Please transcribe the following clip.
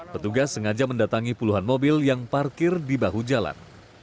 petugas sengaja mendatangi puluhan mobil yang parkir di bahu jalan